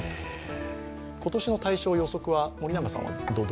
今年の大賞予測は？